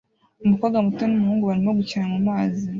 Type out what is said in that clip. Umukobwa muto n'umuhungu barimo gukina mumazi